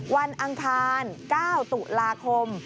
วันอังทาน๙ตุลาคม